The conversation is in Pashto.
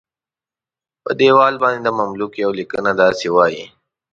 په دیوال باندې د مملوک یوه لیکنه داسې وایي.